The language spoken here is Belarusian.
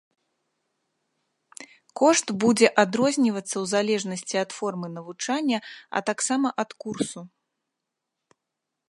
Кошт будзе адрознівацца ў залежнасці ад формы навучання, а таксама ад курсу.